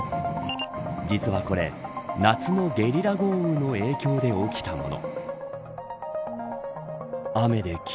実はこれ夏のゲリラ豪雨の影響で起きたもの。